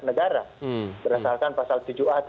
negara berdasarkan pasal tujuh a